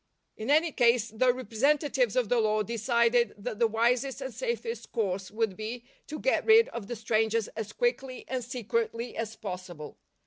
In any case the representatives of the law decided that the wisest and safest course would be to get rid of the strangers as quickl}?' and secretly as possible.